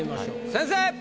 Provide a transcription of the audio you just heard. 先生！